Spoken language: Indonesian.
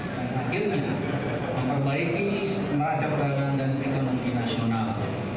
dan akhirnya memperbaiki neraca perdagangan dan ekonomi nasional